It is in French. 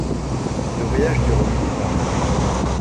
Le voyage dure huit mois.